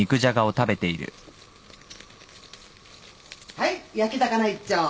はい焼き魚１丁。